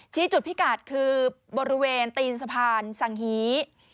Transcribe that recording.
จุดพิกัดคือบริเวณตีนสะพานสังฮี